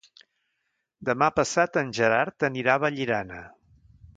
Demà passat en Gerard anirà a Vallirana.